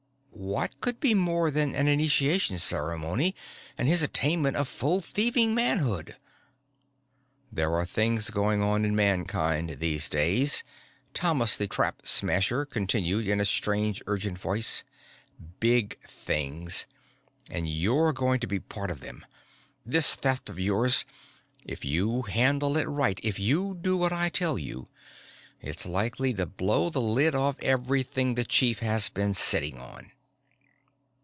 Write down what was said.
What could be more than an initiation ceremony and his attainment of full thieving manhood? "There are things going on in Mankind, these days," Thomas the Trap Smasher continued in a strange, urgent voice. "Big things. And you're going to be a part of them. This Theft of yours if you handle it right, if you do what I tell you, it's likely to blow the lid off everything the chief has been sitting on."